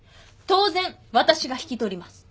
当然私が引き取ります。